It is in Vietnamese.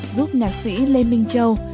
giúp nhạc sĩ lê minh châu